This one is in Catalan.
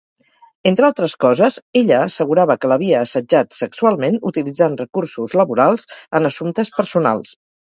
Entre altres coses, ella assegurava que l'havia assetjat sexualment utilitzant recursos laborals en assumptes personals.